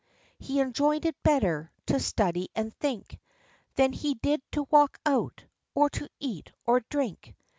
He enjoyed it better, to study and think, Than he did to walk out, or to eat, or drink.